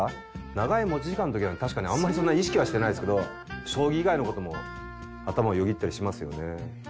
長い持ち時間の時は確かにあんまりそんなに意識はしてないですけど将棋以外の事も頭をよぎったりしますよね。